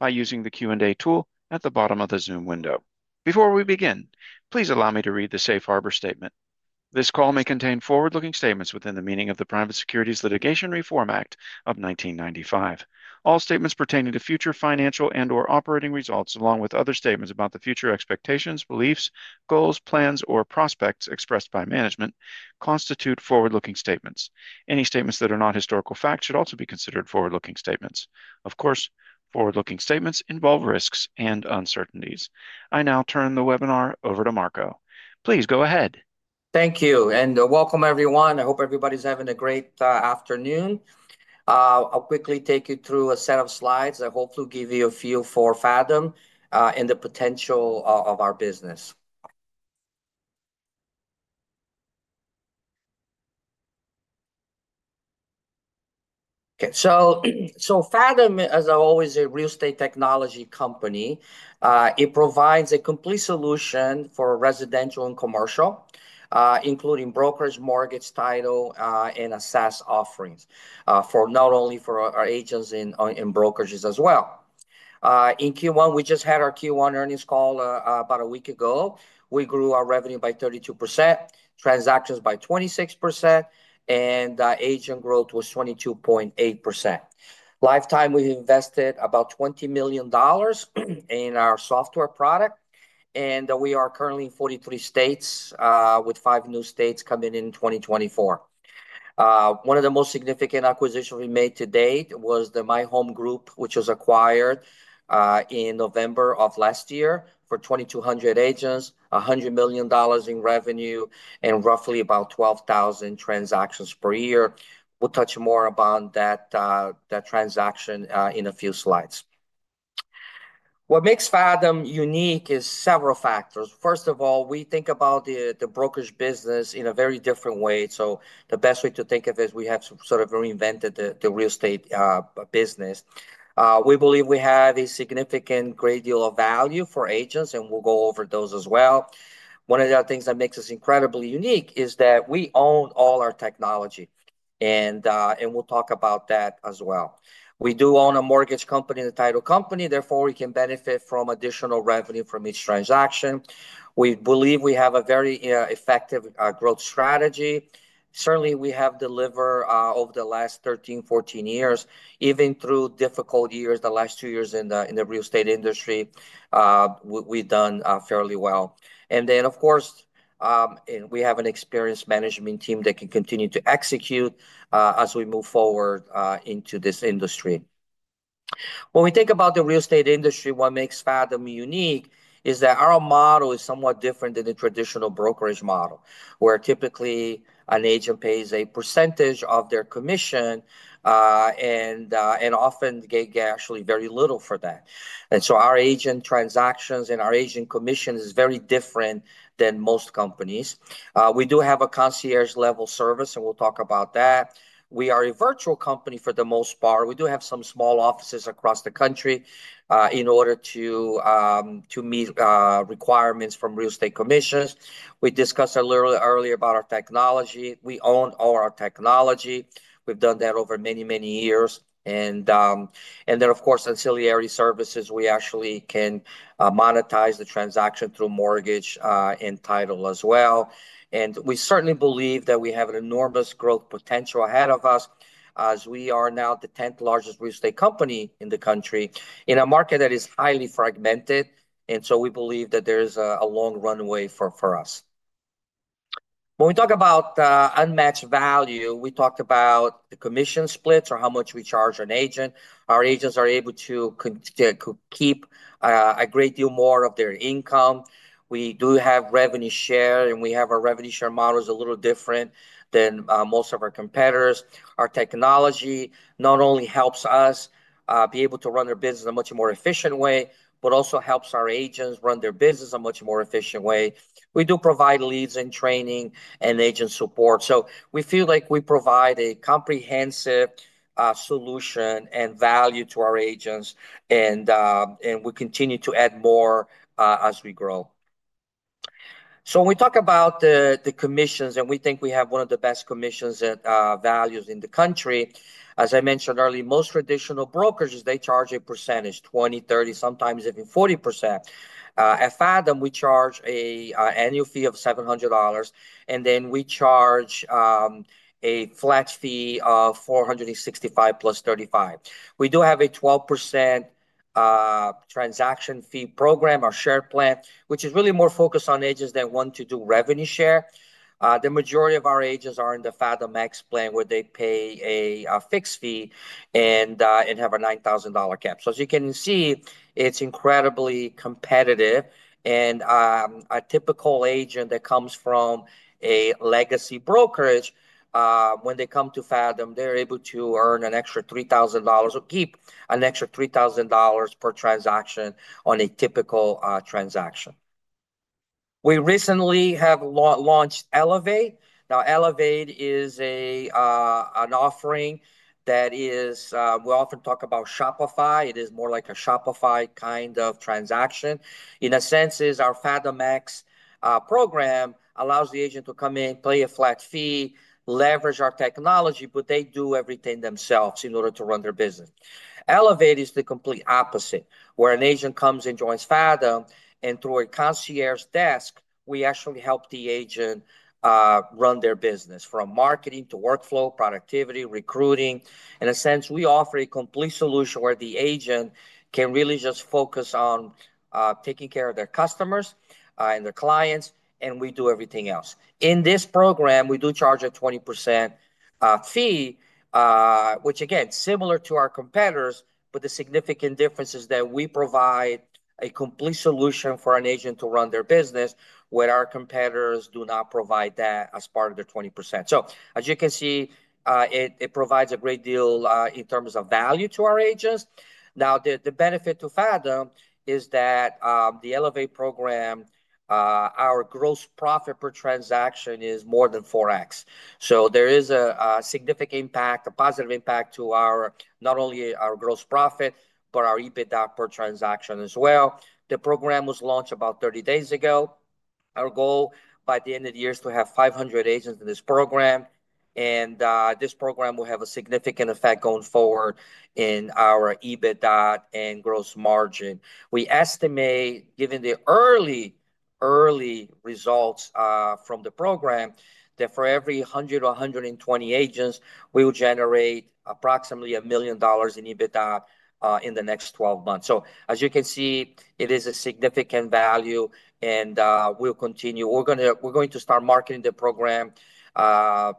By using the Q&A tool at the bottom of the Zoom window. Before we begin, please allow me to read the Safe Harbor Statement. This call may contain forward-looking statements within the meaning of the Private Securities Litigation Reform Act of 1995. All statements pertaining to future financial and/or operating results, along with other statements about the future expectations, beliefs, goals, plans, or prospects expressed by management, constitute forward-looking statements. Any statements that are not historical facts should also be considered forward-looking statements. Of course, forward-looking statements involve risks and uncertainties. I now turn the webinar over to Marco. Please go ahead. Thank you and welcome, everyone. I hope everybody's having a great afternoon. I'll quickly take you through a set of slides that hopefully give you a feel for Fathom and the potential of our business. Okay, so Fathom, as always, is a real estate technology company. It provides a complete solution for residential and commercial, including brokers, mortgage, title, and assessed offerings for not only for our agents and brokerages as well. In Q1, we just had our Q1 earnings call about a week ago. We grew our revenue by 32%, transactions by 26%, and agent growth was 22.8%. Lifetime, we've invested about $20 million in our software product, and we are currently in 43 states with five new states coming in 2024. One of the most significant acquisitions we made to date was the My Home Group, which was acquired in November of last year for 2,200 agents, $100 million in revenue, and roughly about 12,000 transactions per year. We'll touch more about that transaction in a few slides. What makes Fathom unique is several factors. First of all, we think about the brokerage business in a very different way. The best way to think of it is we have sort of reinvented the real estate business. We believe we have a significant great deal of value for agents, and we'll go over those as well. One of the other things that makes us incredibly unique is that we own all our technology, and we'll talk about that as well. We do own a mortgage company and a title company. Therefore, we can benefit from additional revenue from each transaction. We believe we have a very effective growth strategy. Certainly, we have delivered over the last 13, 14 years, even through difficult years, the last two years in the real estate industry, we've done fairly well. Of course, we have an experienced management team that can continue to execute as we move forward into this industry. When we think about the real estate industry, what makes Fathom unique is that our model is somewhat different than the traditional brokerage model, where typically an agent pays a percentage of their commission and often get actually very little for that. Our agent transactions and our agent commission is very different than most companies. We do have a concierge-level service, and we'll talk about that. We are a virtual company for the most part. We do have some small offices across the country in order to meet requirements from real estate commissions. We discussed earlier about our technology. We own all our technology. We've done that over many, many years. Of course, ancillary services, we actually can monetize the transaction through mortgage and title as well. We certainly believe that we have an enormous growth potential ahead of us as we are now the 10th largest real estate company in the country in a market that is highly fragmented. We believe that there is a long runway for us. When we talk about unmatched value, we talked about the commission splits or how much we charge an agent. Our agents are able to keep a great deal more of their income. We do have revenue share, and we have our revenue share model is a little different than most of our competitors. Our technology not only helps us be able to run our business in a much more efficient way, but also helps our agents run their business in a much more efficient way. We do provide leads and training and agent support. We feel like we provide a comprehensive solution and value to our agents, and we continue to add more as we grow. When we talk about the commissions, and we think we have one of the best commissions and values in the country, as I mentioned earlier, most traditional brokers, they charge a percentage, 20%, 30%, sometimes even 40%. At Fathom, we charge an annual fee of $700, and then we charge a flat fee of $465 + $35. We do have a 12% transaction fee program, our Share plan, which is really more focused on agents that want to do revenue share. The majority of our agents are in the Fathom Max plan where they pay a fixed fee and have a $9,000 cap. As you can see, it's incredibly competitive. A typical agent that comes from a legacy brokerage, when they come to Fathom, they're able to earn an extra $3,000 or keep an extra $3,000 per transaction on a typical transaction. We recently have launched Elevate. Now, Elevate is an offering that is, we often talk about Shopify. It is more like a Shopify kind of transaction. In a sense, our Fathom Max program allows the agent to come in, pay a flat fee, leverage our technology, but they do everything themselves in order to run their business. Elevate is the complete opposite, where an agent comes and joins Fathom, and through a concierge desk, we actually help the agent run their business from marketing to workflow, productivity, recruiting. In a sense, we offer a complete solution where the agent can really just focus on taking care of their customers and their clients, and we do everything else. In this program, we do charge a 20% fee, which, again, is similar to our competitors, but the significant difference is that we provide a complete solution for an agent to run their business, where our competitors do not provide that as part of their 20%. As you can see, it provides a great deal in terms of value to our agents. Now, the benefit to Fathom is that the Elevate program, our gross profit per transaction is more than 4x. There is a significant impact, a positive impact to not only our gross profit, but our EBITDA per transaction as well. The program was launched about 30 days ago. Our goal by the end of the year is to have 500 agents in this program, and this program will have a significant effect going forward in our EBITDA and gross margin. We estimate, given the early results from the program, that for every 100-120 agents, we will generate approximately $1 million in EBITDA in the next 12 months. As you can see, it is a significant value, and we'll continue. We're going to start marketing the program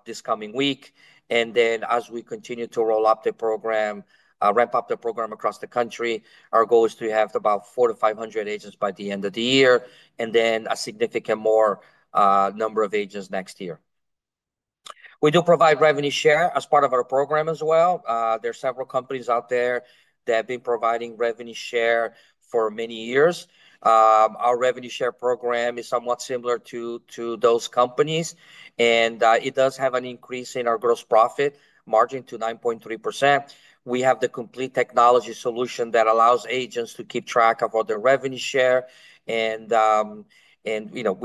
this coming week. As we continue to roll up the program, ramp up the program across the country, our goal is to have about 400-500 agents by the end of the year, and then a significant more number of agents next year. We do provide revenue share as part of our program as well. There are several companies out there that have been providing revenue share for many years. Our revenue share program is somewhat similar to those companies, and it does have an increase in our gross profit margin to 9.3%. We have the complete technology solution that allows agents to keep track of all their revenue share. We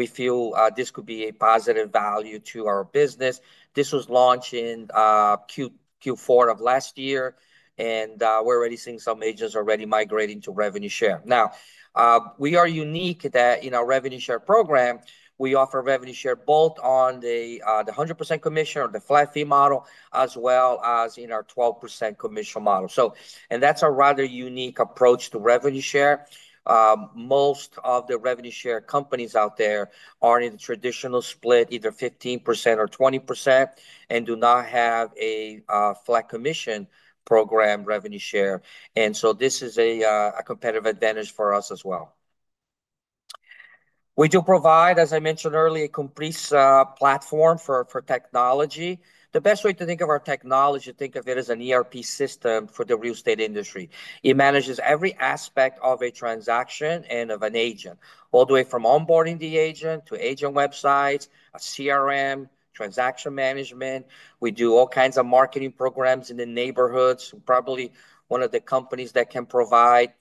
feel this could be a positive value to our business. This was launched in Q4 of last year, and we're already seeing some agents already migrating to revenue share. Now, we are unique that in our revenue share program, we offer revenue share both on the 100% commission or the flat fee model, as well as in our 12% commission model. That's a rather unique approach to revenue share. Most of the revenue share companies out there are in the traditional split, either 15% or 20%, and do not have a flat commission program revenue share. This is a competitive advantage for us as well. We do provide, as I mentioned earlier, a complete platform for technology. The best way to think of our technology, think of it as an ERP system for the real estate industry. It manages every aspect of a transaction and of an agent, all the way from onboarding the agent to agent websites, a CRM, transaction management. We do all kinds of marketing programs in the neighborhoods. Probably one of the companies that can provide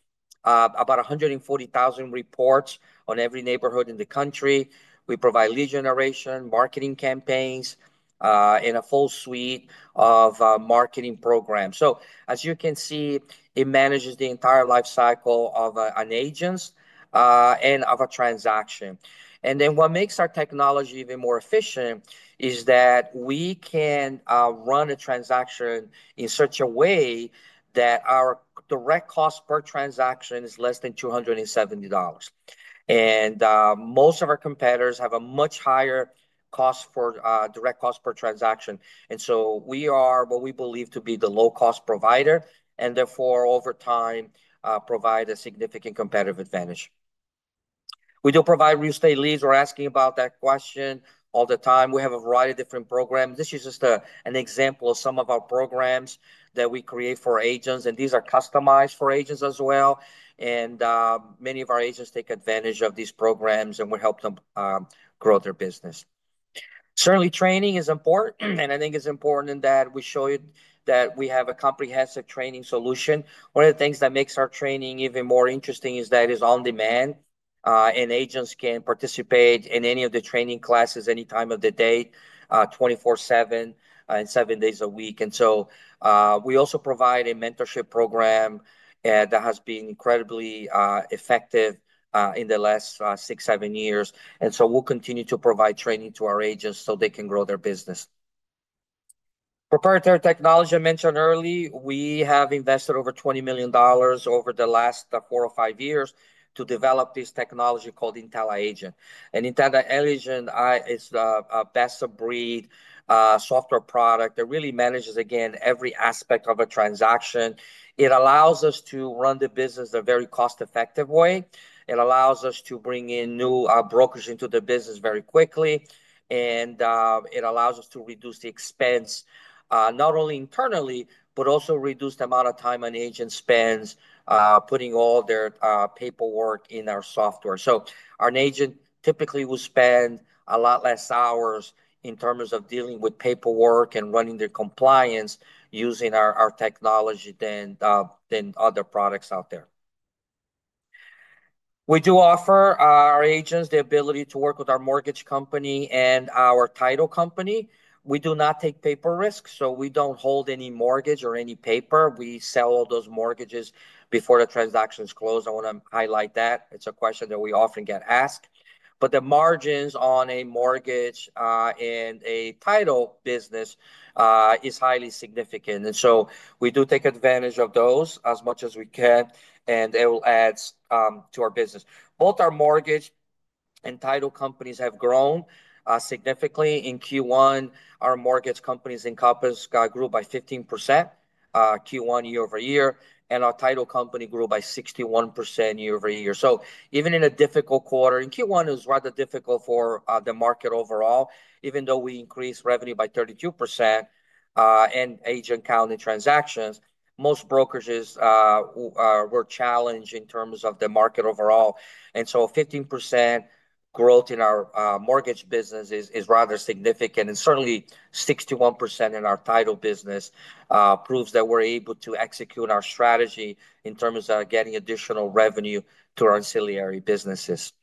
about 140,000 reports on every neighborhood in the country. We provide lead generation, marketing campaigns, and a full suite of marketing programs. As you can see, it manages the entire lifecycle of an agent and of a transaction. What makes our technology even more efficient is that we can run a transaction in such a way that our direct cost per transaction is less than $270. Most of our competitors have a much higher cost for direct cost per transaction. We are what we believe to be the low-cost provider, and therefore, over time, provide a significant competitive advantage. We do provide real estate leads. We're asked about that question all the time. We have a variety of different programs. This is just an example of some of our programs that we create for agents, and these are customized for agents as well. Many of our agents take advantage of these programs, and we help them grow their business. Certainly, training is important, and I think it's important that we show you that we have a comprehensive training solution. One of the things that makes our training even more interesting is that it is on demand, and agents can participate in any of the training classes any time of the day, 24/7, seven days a week. We also provide a mentorship program that has been incredibly effective in the last six, seven years. We will continue to provide training to our agents so they can grow their business. Proprietary technology, I mentioned earlier, we have invested over $20 million over the last four or five years to develop this technology called intelliAgent. intelliAgent is a best-of-breed software product that really manages, again, every aspect of a transaction. It allows us to run the business in a very cost-effective way. It allows us to bring in new brokers into the business very quickly, and it allows us to reduce the expense not only internally, but also reduce the amount of time an agent spends putting all their paperwork in our software. An agent typically will spend a lot less hours in terms of dealing with paperwork and running their compliance using our technology than other products out there. We do offer our agents the ability to work with our mortgage company and our title company. We do not take paper risks, so we do not hold any mortgage or any paper. We sell all those mortgages before the transaction is closed. I want to highlight that. It is a question that we often get asked. The margins on a mortgage and a title business is highly significant. We do take advantage of those as much as we can, and it will add to our business. Both our mortgage and title companies have grown significantly. In Q1, our mortgage companies' income grew by 15% Q1 year-over-year, and our title company grew by 61% year-over-year. Even in a difficult quarter, and Q1 is rather difficult for the market overall, even though we increased revenue by 32% and agent count and transactions, most brokers were challenged in terms of the market overall. Fifteen percent growth in our mortgage business is rather significant. Certainly, 61% in our title business proves that we're able to execute our strategy in terms of getting additional revenue to our ancillary businesses.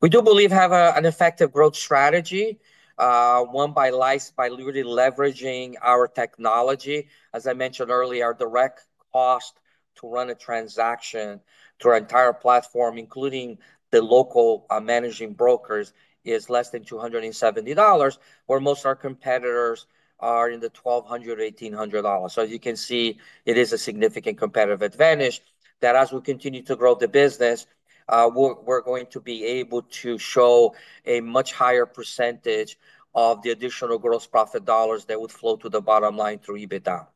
We do believe we have an effective growth strategy, one by really leveraging our technology. As I mentioned earlier, our direct cost to run a transaction through our entire platform, including the local managing brokers, is less than $270, where most of our competitors are in the $1,200-$1,800 range. As you can see, it is a significant competitive advantage that as we continue to grow the business, we're going to be able to show a much higher percentage of the additional gross profit dollars that would flow to the bottom line through EBITDA.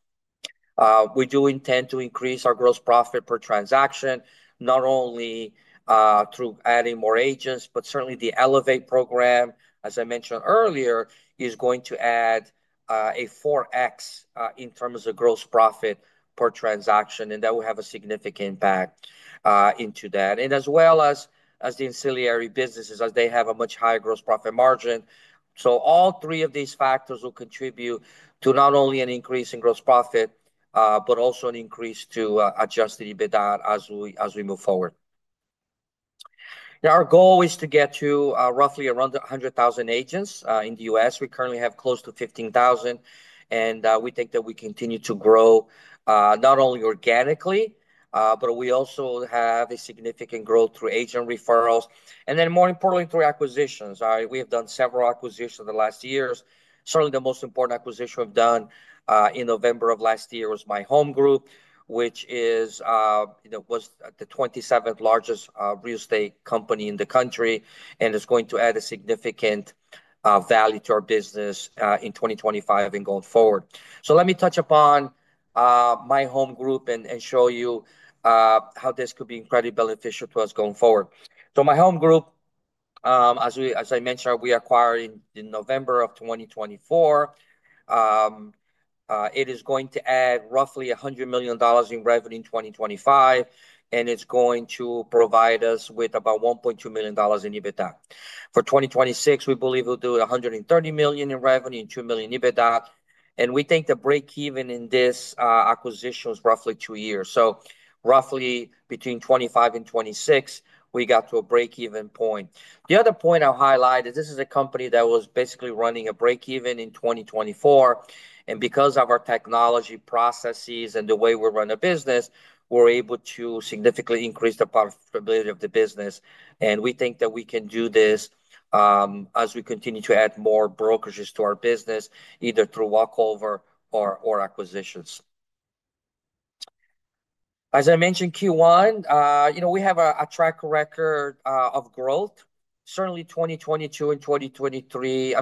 We do intend to increase our gross profit per transaction, not only through adding more agents, but certainly the Elevate program, as I mentioned earlier, is going to add a 4x in terms of gross profit per transaction, and that will have a significant impact into that, as well as the ancillary businesses as they have a much higher gross profit margin. All three of these factors will contribute to not only an increase in gross profit, but also an increase to adjusted EBITDA as we move forward. Our goal is to get to roughly around 100,000 agents in the U.S. We currently have close to 15,000, and we think that we continue to grow not only organically, but we also have a significant growth through agent referrals, and then more importantly, through acquisitions. We have done several acquisitions in the last years. Certainly, the most important acquisition we've done in November of last year was My Home Group, which was the 27th largest real estate company in the country, and it's going to add significant value to our business in 2025 and going forward. Let me touch upon My Home Group and show you how this could be incredibly beneficial to us going forward. My Home Group, as I mentioned, we acquired in November of 2024. It is going to add roughly $100 million in revenue in 2025, and it's going to provide us with about $1.2 million in EBITDA. For 2026, we believe we'll do $130 million in revenue and $2 million in EBITDA. We think the break-even in this acquisition is roughly two years. Roughly between 2025 and 2026, we got to a break-even point. The other point I'll highlight is this is a company that was basically running at break-even in 2024. Because of our technology processes and the way we run a business, we're able to significantly increase the profitability of the business. We think that we can do this as we continue to add more brokerages to our business, either through walkover or acquisitions. As I mentioned, Q1, we have a track record of growth. Certainly, 2022 and 2023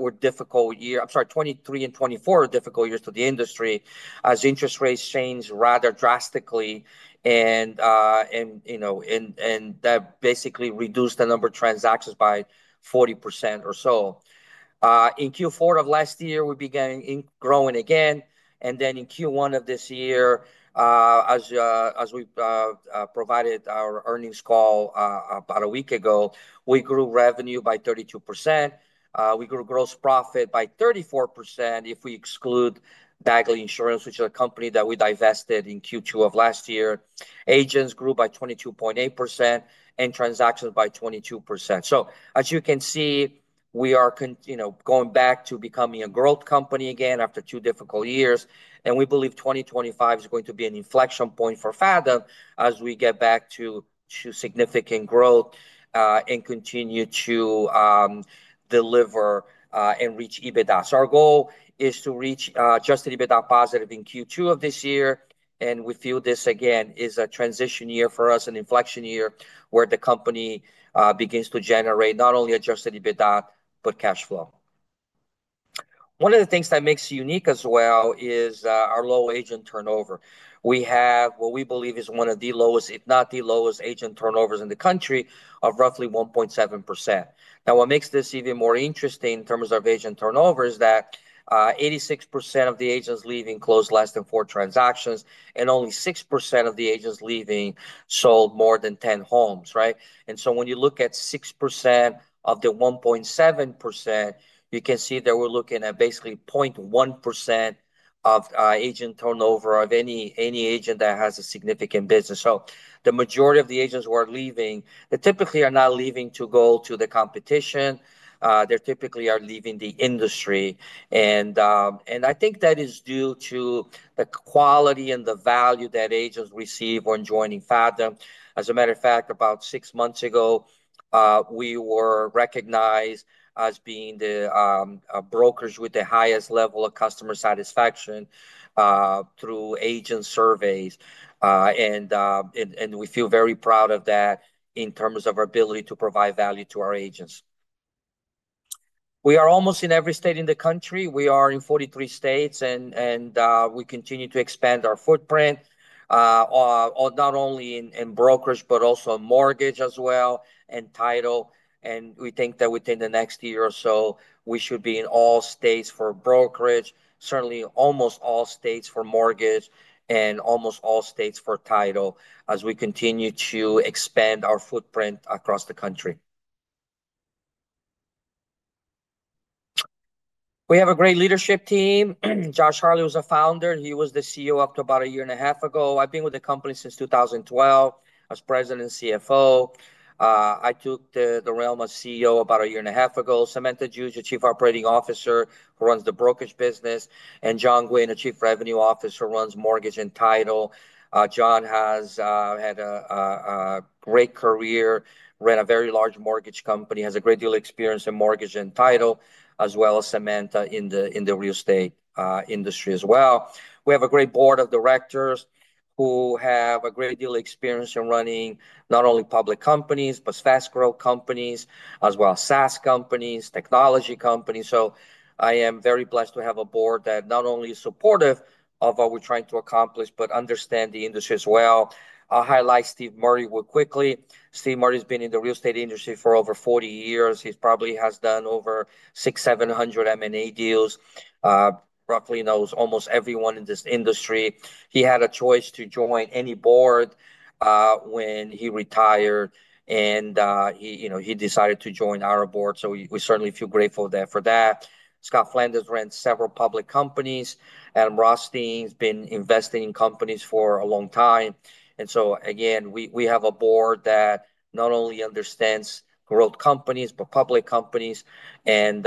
were difficult years. I'm sorry, 2023 and 2024 were difficult years to the industry as interest rates changed rather drastically, and that basically reduced the number of transactions by 40% or so. In Q4 of last year, we began growing again. In Q1 of this year, as we provided our earnings call about a week ago, we grew revenue by 32%. We grew gross profit by 34% if we exclude Dagley Insurance, which is a company that we divested in Q2 of last year. Agents grew by 22.8% and transactions by 22%. As you can see, we are going back to becoming a growth company again after two difficult years. We believe 2025 is going to be an inflection point for Fathom as we get back to significant growth and continue to deliver and reach EBITDA. Our goal is to reach adjusted EBITDA positive in Q2 of this year. We feel this, again, is a transition year for us, an inflection year where the company begins to generate not only adjusted EBITDA, but cash flow. One of the things that makes it unique as well is our low agent turnover. We have what we believe is one of the lowest, if not the lowest, agent turnovers in the country of roughly 1.7%. Now, what makes this even more interesting in terms of agent turnover is that 86% of the agents leaving closed less than four transactions, and only 6% of the agents leaving sold more than 10 homes, right? When you look at 6% of the 1.7%, you can see that we're looking at basically 0.1% of agent turnover of any agent that has a significant business. The majority of the agents who are leaving, they typically are not leaving to go to the competition. They're typically leaving the industry. I think that is due to the quality and the value that agents receive when joining Fathom. As a matter of fact, about six months ago, we were recognized as being the brokers with the highest level of customer satisfaction through agent surveys. We feel very proud of that in terms of our ability to provide value to our agents. We are almost in every state in the country. We are in 43 states, and we continue to expand our footprint, not only in brokers, but also in mortgage as well and title. We think that within the next year or so, we should be in all states for brokerage, certainly almost all states for mortgage, and almost all states for title as we continue to expand our footprint across the country. We have a great leadership team. Josh Harley was a founder. He was the CEO up to about a year and a half ago. I've been with the company since 2012 as President and CFO. I took the realm of CEO about a year and a half ago. Samantha Giuggio, the Chief Operating Officer, who runs the brokerage business, and Jon Gwin, Chief Revenue Officer, who runs mortgage and title. John has had a great career, ran a very large mortgage company, has a great deal of experience in mortgage and title, as well as Samantha in the real estate industry as well. We have a great board of directors who have a great deal of experience in running not only public companies, but fast-growth companies, as well as SaaS companies, technology companies. I am very blessed to have a board that not only is supportive of what we're trying to accomplish, but understand the industry as well. I'll highlight Steve Murray real quickly. Steve Murray has been in the real estate industry for over 40 years. He probably has done over six, seven hundred M&A deals. Roughly knows almost everyone in this industry. He had a choice to join any board when he retired, and he decided to join our board. We certainly feel grateful for that. Scott Flanders ran several public companies. Adam Rothstein's been investing in companies for a long time. Again, we have a board that not only understands growth companies, but public companies, and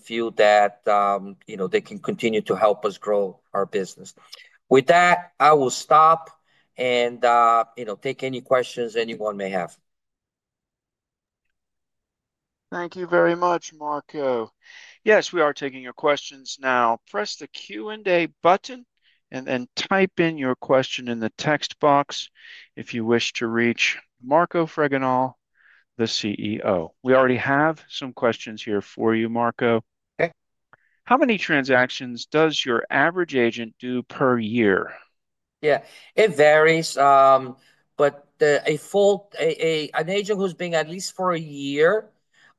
feel that they can continue to help us grow our business. With that, I will stop and take any questions anyone may have. Thank you very much, Marco. Yes, we are taking your questions now. Press the Q&A button and then type in your question in the text box if you wish to reach Marco Fregenal, the CEO. We already have some questions here for you, Marco. How many transactions does your average agent do per year? Yeah, it varies. But an agent who's been at least for a year,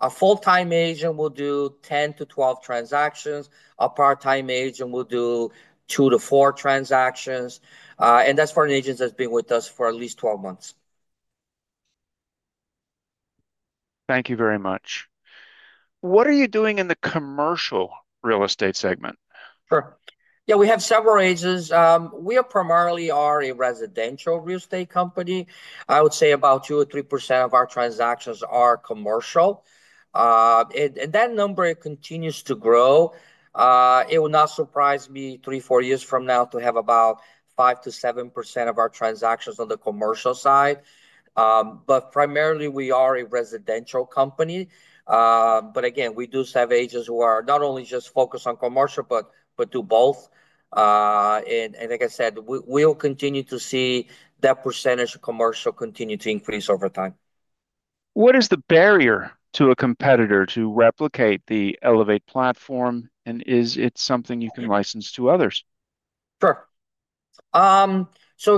a full-time agent will do 10-12 transactions. A part-time agent will do 2-4 transactions. And that's for an agent that's been with us for at least 12 months. Thank you very much. What are you doing in the commercial real estate segment? Sure. Yeah, we have several agents. We primarily are a residential real estate company. I would say about 2%-3% of our transactions are commercial. And that number continues to grow. It will not surprise me three, four years from now to have about 5%-7% of our transactions on the commercial side. But primarily, we are a residential company. Again, we do have agents who are not only just focused on commercial, but do both. Like I said, we'll continue to see that percentage of commercial continue to increase over time. What is the barrier to a competitor to replicate the Elevate platform? Is it something you can license to others? Sure.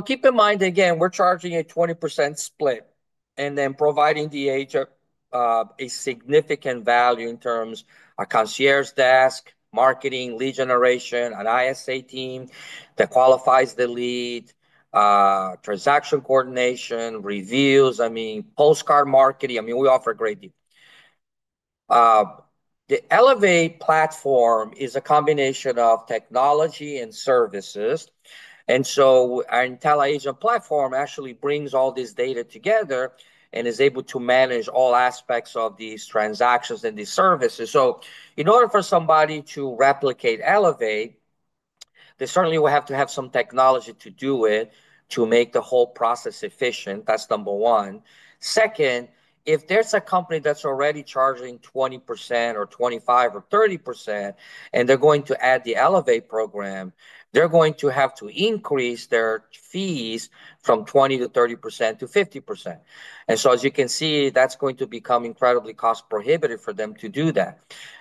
Keep in mind, again, we're charging a 20% split and then providing the agent a significant value in terms of a concierge desk, marketing, lead generation, an ISA team that qualifies the lead, transaction coordination, reviews, I mean, postcard marketing. I mean, we offer a great deal. The Elevate platform is a combination of technology and services. Our intelliAgent platform actually brings all this data together and is able to manage all aspects of these transactions and these services. In order for somebody to replicate Elevate, they certainly will have to have some technology to do it to make the whole process efficient. That's number one. Second, if there's a company that's already charging 20% or 25% or 30%, and they're going to add the Elevate program, they're going to have to increase their fees from 20% to 30% to 50%. As you can see, that's going to become incredibly cost-prohibitive for them to do that.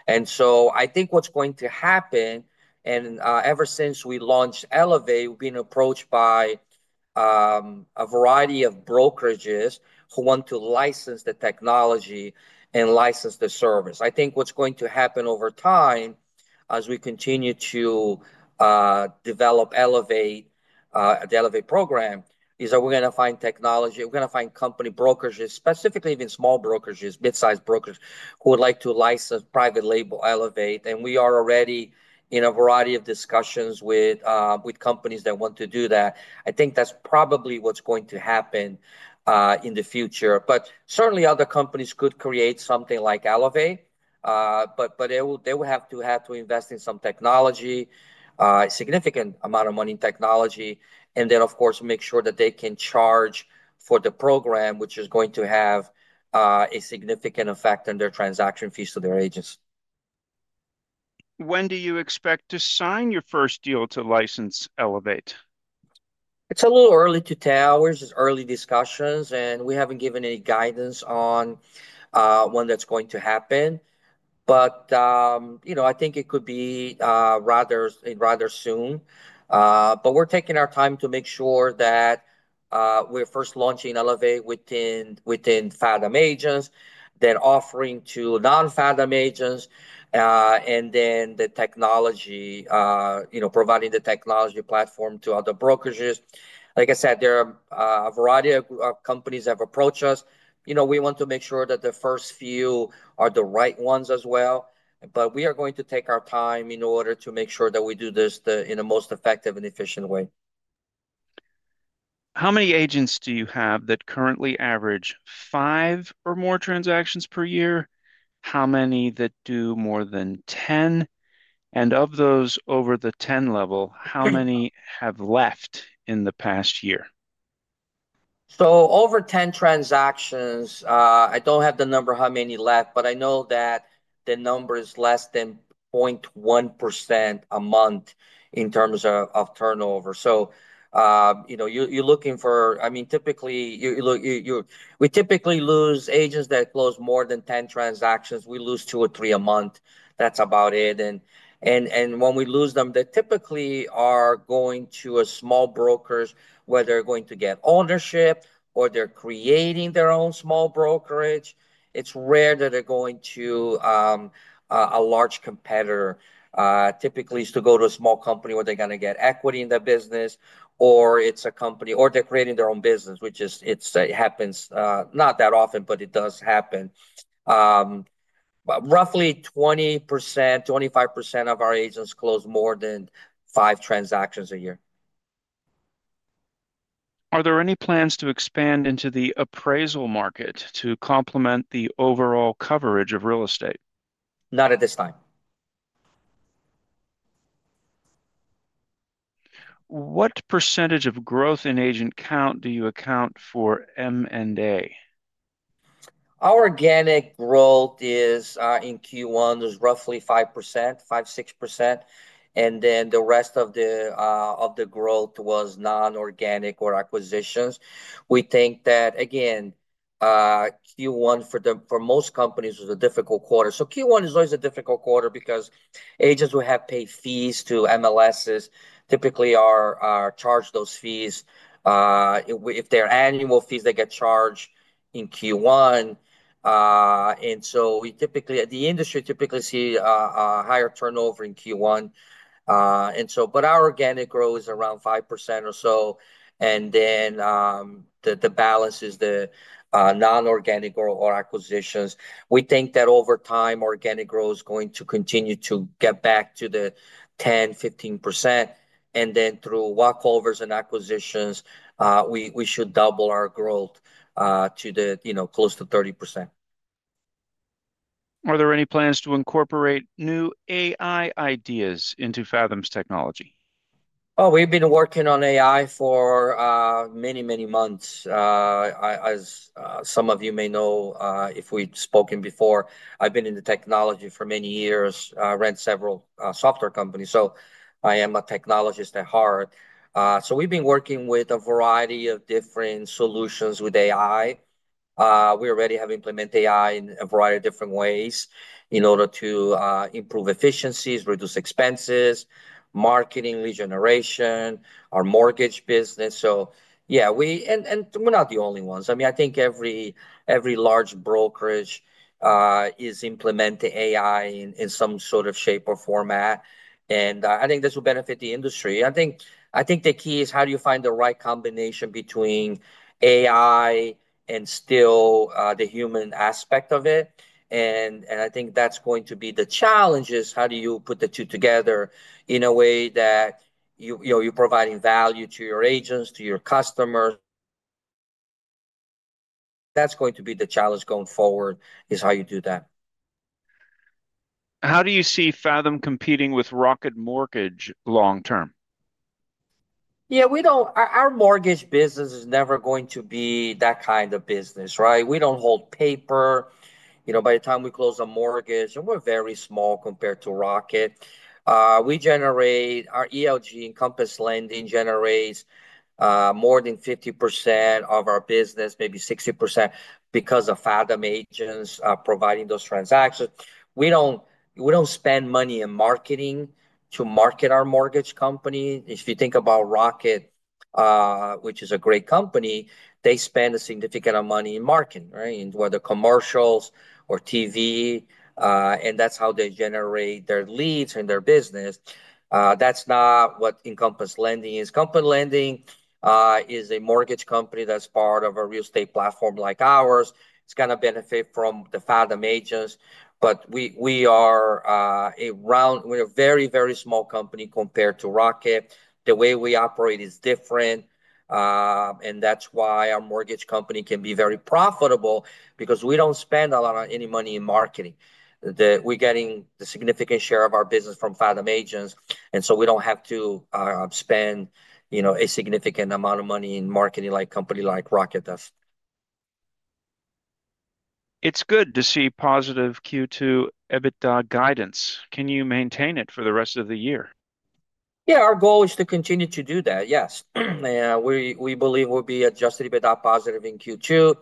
I think what's going to happen, and ever since we launched Elevate, we've been approached by a variety of brokerages who want to license the technology and license the service. I think what's going to happen over time as we continue to develop the Elevate program is that we're going to find technology. We're going to find company brokers, specifically even small brokers, mid-sized brokers who would like to license private label Elevate. We are already in a variety of discussions with companies that want to do that. I think that's probably what's going to happen in the future. Certainly, other companies could create something like Elevate, but they will have to invest in some technology, a significant amount of money in technology, and then, of course, make sure that they can charge for the program, which is going to have a significant effect on their transaction fees to their agents. When do you expect to sign your first deal to license Elevate? It's a little early to tell. There are early discussions, and we haven't given any guidance on when that's going to happen. I think it could be rather soon. We're taking our time to make sure that we're first launching Elevate within Fathom agents, then offering to non-Fathom agents, and then providing the technology platform to other brokers. Like I said, there are a variety of companies that have approached us. We want to make sure that the first few are the right ones as well. We are going to take our time in order to make sure that we do this in the most effective and efficient way. How many agents do you have that currently average five or more transactions per year? How many that do more than 10? And of those over the 10 level, how many have left in the past year? Over 10 transactions, I don't have the number how many left, but I know that the number is less than 0.1% a month in terms of turnover. You're looking for, I mean, typically, we lose agents that close more than 10 transactions. We lose two or three a month. That's about it. When we lose them, they typically are going to small brokers where they're going to get ownership or they're creating their own small brokerage. It's rare that they're going to a large competitor. Typically, it's to go to a small company where they're going to get equity in their business, or it's a company or they're creating their own business, which happens not that often, but it does happen. Roughly 20%-25% of our agents close more than five transactions a year. Are there any plans to expand into the appraisal market to complement the overall coverage of real estate? Not at this time. What percentage of growth in agent count do you account for M&A? Our organic growth is in Q1. It was roughly 5%, 5%-6%. The rest of the growth was non-organic or acquisitions. We think that, again, Q1 for most companies was a difficult quarter. Q1 is always a difficult quarter because agents who have paid fees to MLSs typically are charged those fees. If they are annual fees, they get charged in Q1. The industry typically sees a higher turnover in Q1. Our organic growth is around 5% or so. The balance is the non-organic or acquisitions. We think that over time, organic growth is going to continue to get back to the 10%-15%. Through walkovers and acquisitions, we should double our growth to close to 30%. Are there any plans to incorporate new AI ideas into Fathom's technology? Oh, we have been working on AI for many, many months. As some of you may know, if we've spoken before, I've been in the technology for many years, ran several software companies. I am a technologist at heart. We've been working with a variety of different solutions with AI. We already have implemented AI in a variety of different ways in order to improve efficiencies, reduce expenses, marketing, lead generation, our mortgage business. Yeah, and we're not the only ones. I mean, I think every large brokerage is implementing AI in some sort of shape or format. I think this will benefit the industry. I think the key is how do you find the right combination between AI and still the human aspect of it. I think that's going to be the challenge is how do you put the two together in a way that you're providing value to your agents, to your customers. That's going to be the challenge going forward is how you do that. How do you see Fathom competing with Rocket Mortgage long-term? Yeah, our mortgage business is never going to be that kind of business, right? We don't hold paper. By the time we close a mortgage, and we're very small compared to Rocket, our ELG, Encompass Lending, generates more than 50% of our business, maybe 60% because of Fathom agents providing those transactions. We don't spend money in marketing to market our mortgage company. If you think about Rocket, which is a great company, they spend a significant amount of money in marketing, right, in whether commercials or TV. That's how they generate their leads and their business. That's not what Encompass Lending is. Encompass Lending is a mortgage company that's part of a real estate platform like ours. It's going to benefit from the Fathom agents. We are a very, very small company compared to Rocket. The way we operate is different. That is why our mortgage company can be very profitable because we do not spend a lot of any money in marketing. We are getting the significant share of our business from Fathom agents. We do not have to spend a significant amount of money in marketing like a company like Rocket does. It is good to see positive Q2 EBITDA guidance. Can you maintain it for the rest of the year? Yeah, our goal is to continue to do that, yes. We believe we will be adjusted EBITDA positive in Q2.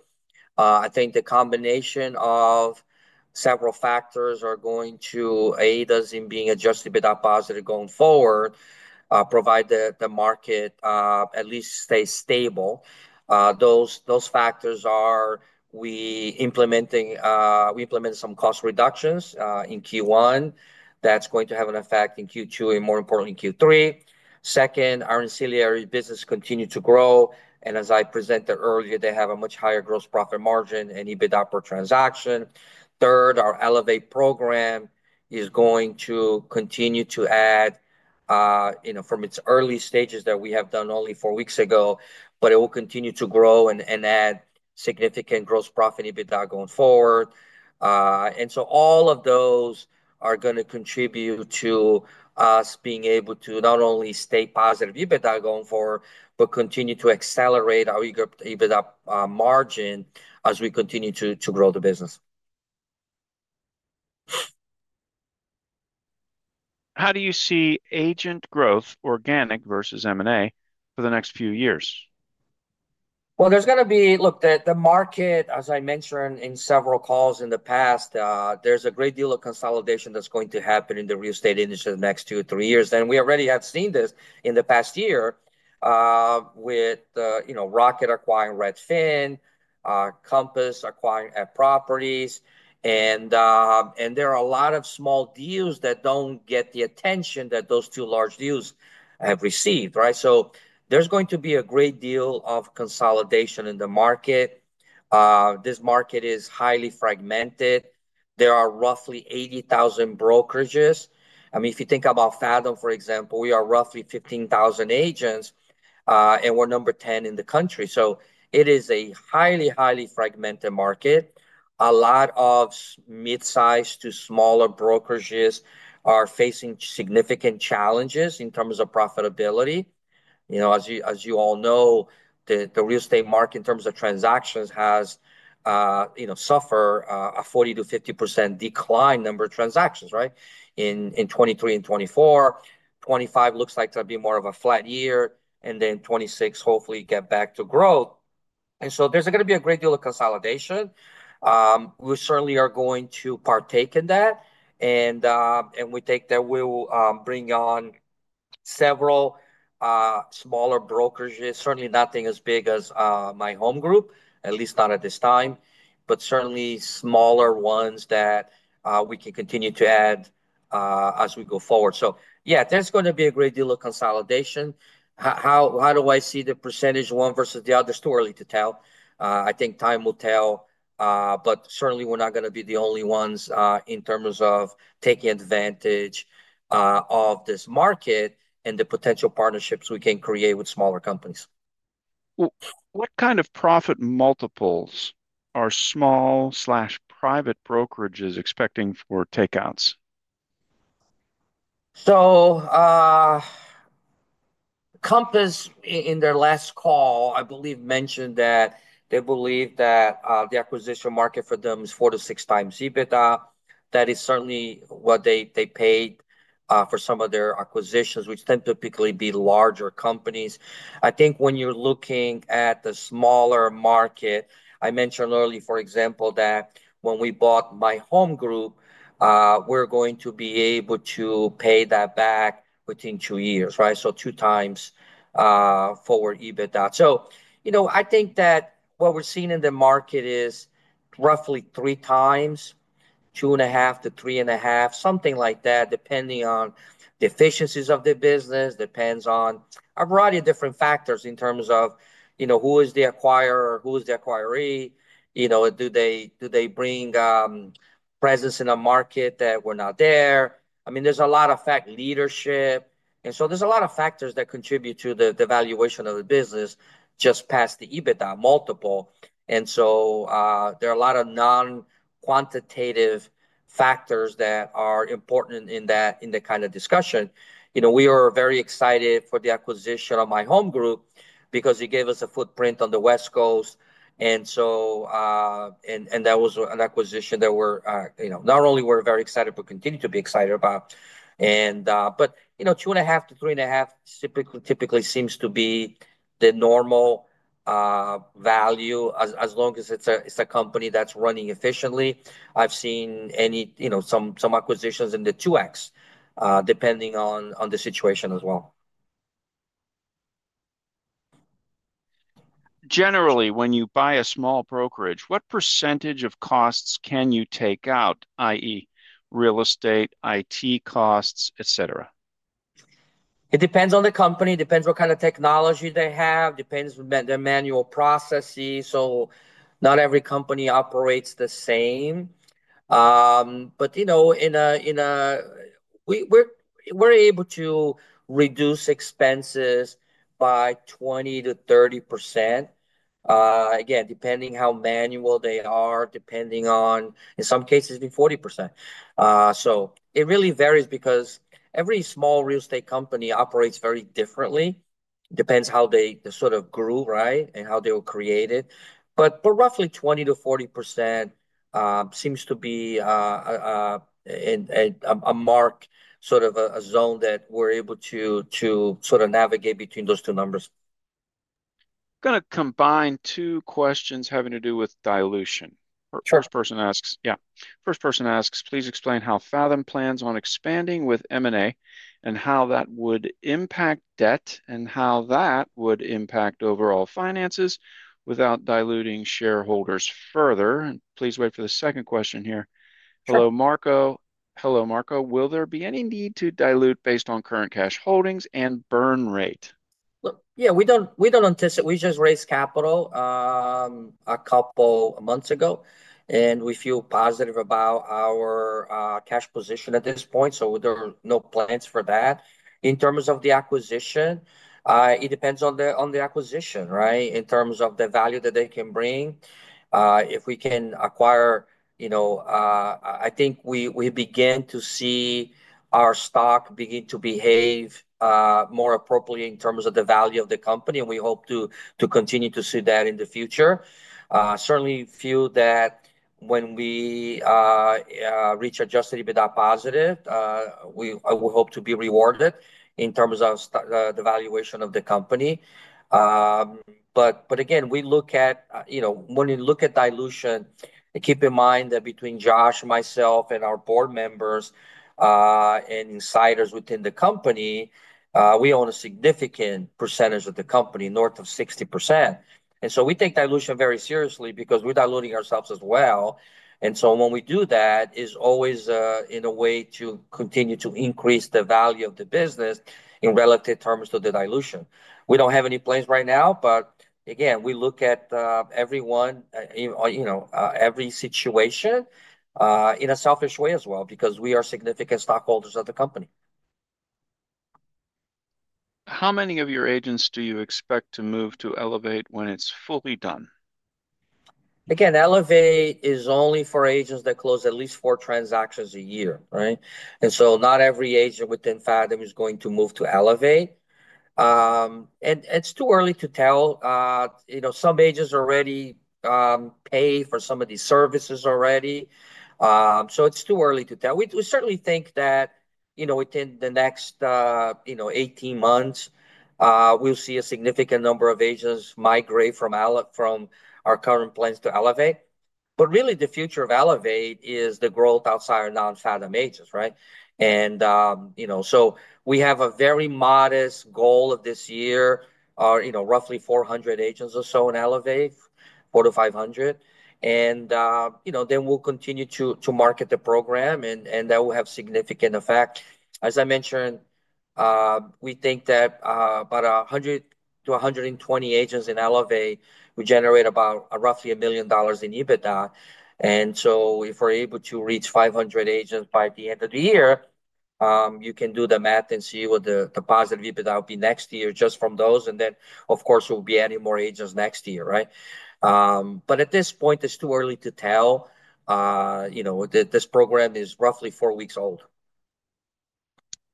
I think the combination of several factors are going to aid us in being adjusted EBITDA positive going forward, provided the market at least stays stable. Those factors are we implemented some cost reductions in Q1. That's going to have an effect in Q2 and, more importantly, Q3. Second, our ancillary business continues to grow. As I presented earlier, they have a much higher gross profit margin and EBITDA per transaction. Third, our Elevate program is going to continue to add from its early stages that we have done only four weeks ago, but it will continue to grow and add significant gross profit and EBITDA going forward. All of those are going to contribute to us being able to not only stay positive EBITDA going forward, but continue to accelerate our EBITDA margin as we continue to grow the business. How do you see agent growth, organic versus M&A, for the next few years? There's going to be, look, the market, as I mentioned in several calls in the past, there's a great deal of consolidation that's going to happen in the real estate industry in the next two to three years. We already have seen this in the past year with Rocket Mortgage acquiring Redfin, Compass acquiring @properties. There are a lot of small deals that do not get the attention that those two large deals have received, right? There's going to be a great deal of consolidation in the market. This market is highly fragmented. There are roughly 80,000 brokerages. I mean, if you think about Fathom, for example, we are roughly 15,000 agents, and we're number 10 in the country. It is a highly, highly fragmented market. A lot of mid-size to smaller brokerages are facing significant challenges in terms of profitability. As you all know, the real estate market in terms of transactions has suffered a 40%-50% decline in number of transactions, right, in 2023 and 2024. 2025 looks like to be more of a flat year. In 2026, hopefully, get back to growth. There is going to be a great deal of consolidation. We certainly are going to partake in that. We think that we will bring on several smaller brokerages, certainly nothing as big as My Home Group, at least not at this time, but certainly smaller ones that we can continue to add as we go forward. Yeah, there is going to be a great deal of consolidation. How do I see the percentage one versus the other? It is too early to tell. I think time will tell. Certainly, we're not going to be the only ones in terms of taking advantage of this market and the potential partnerships we can create with smaller companies. What kind of profit multiples are small/private brokerages expecting for takeouts? Compass, in their last call, I believe mentioned that they believe that the acquisition market for them is 4x-6x EBITDA. That is certainly what they paid for some of their acquisitions, which tend to typically be larger companies. I think when you're looking at the smaller market, I mentioned earlier, for example, that when we bought My Home Group, we're going to be able to pay that back within two years, right? So two times forward EBITDA. I think that what we're seeing in the market is roughly three times, two and a half to three and a half, something like that, depending on the efficiencies of the business, depends on a variety of different factors in terms of who is the acquirer, who is the acquiree, do they bring presence in a market that we're not there. I mean, there's a lot of fact leadership. There are a lot of factors that contribute to the valuation of the business just past the EBITDA multiple. There are a lot of non-quantitative factors that are important in that kind of discussion. We are very excited for the acquisition of My Home Group because it gave us a footprint on the West Coast. That was an acquisition that we're not only very excited, but continue to be excited about. But, 2.5x-3.5x typically seems to be the normal value as long as it's a company that's running efficiently. I've seen some acquisitions in the 2x, depending on the situation as well. Generally, when you buy a small brokerage, what percentage of costs can you take out, i.e., real estate, IT costs, etc.? It depends on the company. It depends what kind of technology they have. It depends on their manual processes. Not every company operates the same. We're able to reduce expenses by 20%-30%, again, depending how manual they are, depending on, in some cases, even 40%. It really varies because every small real estate company operates very differently. It depends how they sort of grew, right, and how they were created. But roughly 20%-40% seems to be a mark, sort of a zone that we're able to sort of navigate between those two numbers. Going to combine two questions having to do with dilution. First person asks, yeah. First person asks, "Please explain how Fathom plans on expanding with M&A and how that would impact debt and how that would impact overall finances without diluting shareholders further." And please wait for the second question here. "Hello, Marco." "Hello, Marco. Will there be any need to dilute based on current cash holdings and burn rate?" Look, yeah, we don't anticipate. We just raised capital a couple of months ago, and we feel positive about our cash position at this point. So there are no plans for that. In terms of the acquisition, it depends on the acquisition, right, in terms of the value that they can bring. If we can acquire, I think we begin to see our stock begin to behave more appropriately in terms of the value of the company. We hope to continue to see that in the future. Certainly, feel that when we reach adjusted EBITDA positive, we hope to be rewarded in terms of the valuation of the company. Again, we look at when you look at dilution, keep in mind that between Josh, myself, and our board members and insiders within the company, we own a significant percentage of the company, north of 60%. We take dilution very seriously because we're diluting ourselves as well. When we do that, it's always in a way to continue to increase the value of the business in relative terms to the dilution. We do not have any plans right now, but again, we look at everyone, every situation in a selfish way as well because we are significant stockholders of the company. How many of your agents do you expect to move to Elevate when it is fully done? Again, Elevate is only for agents that close at least four transactions a year, right? Not every agent within Fathom is going to move to Elevate. It is too early to tell. Some agents already pay for some of these services already. It is too early to tell. We certainly think that within the next 18 months, we will see a significant number of agents migrate from our current plans to Elevate. Really, the future of Elevate is the growth outside of non-Fathom agents, right? We have a very modest goal of this year, roughly 400 agents or so in Elevate, 400-500. We will continue to market the program, and that will have significant effect. As I mentioned, we think that about 100-120 agents in Elevate, we generate about roughly $1 million in EBITDA. If we are able to reach 500 agents by the end of the year, you can do the math and see what the positive EBITDA will be next year just from those. Of course, we will be adding more agents next year, right? At this point, it is too early to tell. This program is roughly four weeks old.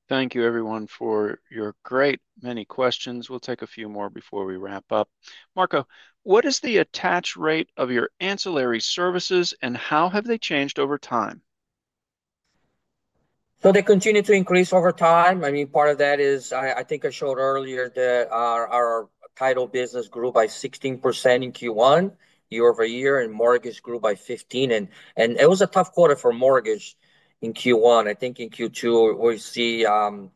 Thank you, everyone, for your great many questions. We will take a few more before we wrap up. Marco, what is the attach rate of your ancillary services, and how have they changed over time? They continue to increase over time. I mean, part of that is, I think I showed earlier that our title business grew by 16% in Q1, year-over-year, and mortgage grew by 15%. It was a tough quarter for mortgage in Q1. I think in Q2, we see an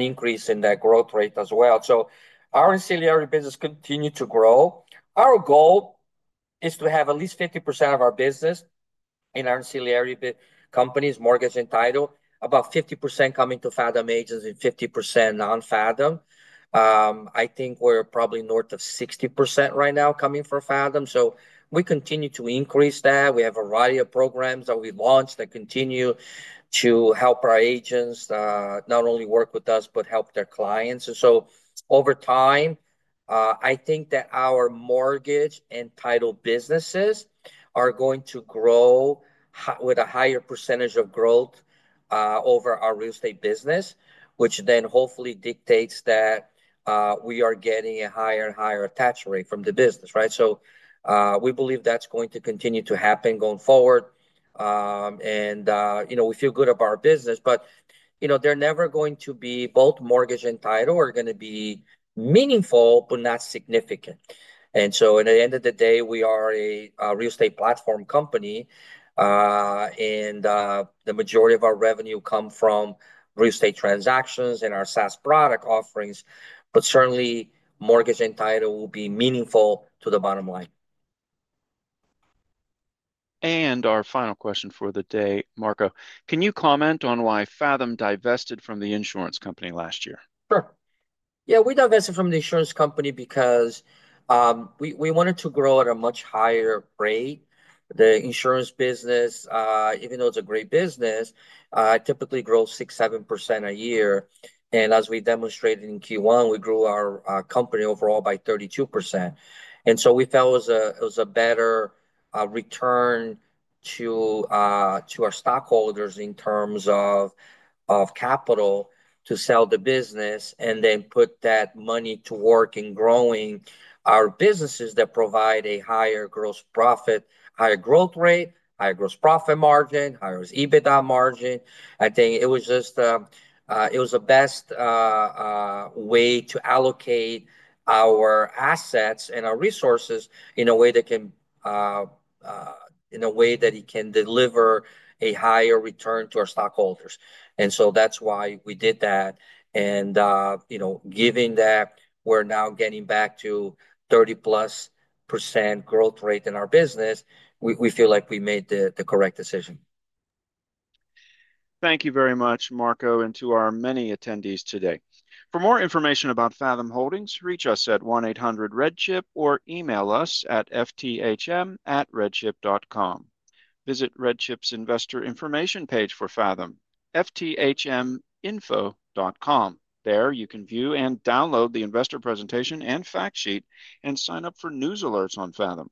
increase in that growth rate as well. Our ancillary business continues to grow. Our goal is to have at least 50% of our business in our ancillary companies, mortgage and title, about 50% coming to Fathom agents and 50% non-Fathom. I think we are probably north of 60% right now coming for Fathom. We continue to increase that. We have a variety of programs that we launched that continue to help our agents not only work with us, but help their clients. Over time, I think that our mortgage and title businesses are going to grow with a higher percentage of growth over our real estate business, which then hopefully dictates that we are getting a higher and higher attach rate from the business, right? We believe that's going to continue to happen going forward. We feel good about our business, but they're never going to be both mortgage and title are going to be meaningful, but not significant. At the end of the day, we are a real estate platform company. The majority of our revenue comes from real estate transactions and our SaaS product offerings. Certainly, mortgage and title will be meaningful to the bottom line. Our final question for the day, Marco, can you comment on why Fathom divested from the insurance company last year? Sure. Yeah, we divested from the insurance company because we wanted to grow at a much higher rate. The insurance business, even though it's a great business, typically grows 6%-7% a year. As we demonstrated in Q1, we grew our company overall by 32%. We felt it was a better return to our stockholders in terms of capital to sell the business and then put that money to work in growing our businesses that provide a higher gross profit, higher growth rate, higher gross profit margin, higher EBITDA margin. I think it was just the best way to allocate our assets and our resources in a way that can deliver a higher return to our stockholders. That is why we did that. Given that we're now getting back to 30%+ growth rate in our business, we feel like we made the correct decision. Thank you very much, Marco, and to our many attendees today. For more information about Fathom Holdings, reach us at 1-800-REDCHIP or email us at fthm@redchip.com. Visit RedChip's investor information page for Fathom, fthminfo.com. There you can view and download the investor presentation and fact sheet and sign up for news alerts on Fathom.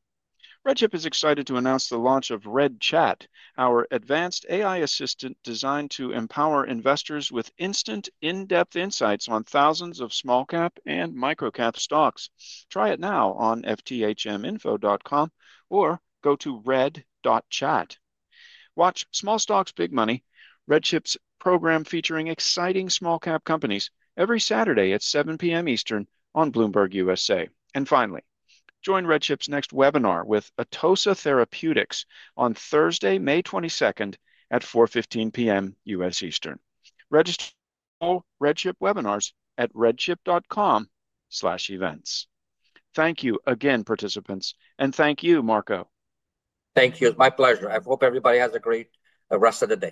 RedChip is excited to announce the launch of REDCHAT, our advanced AI assistant designed to empower investors with instant in-depth insights on thousands of small-cap and micro-cap stocks. Try it now on fthminfo.com or go to red.chat. Watch Small Stocks, Big Money, RedChip's program featuring exciting small-cap companies every Saturday at 7:00 P.M. Eastern on Bloomberg USA. Finally, join RedChip's next webinar with Atossa Therapeutics on Thursday, May 22nd at 4:15 P.M. U.S. Eastern. Register for RedChip webinars at redchip.com/events. Thank you again, participants. Thank you, Marco. Thank you. It's my pleasure. I hope everybody has a great rest of the day.